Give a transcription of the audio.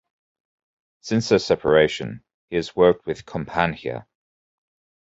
Since their separation, he has worked with Companhia.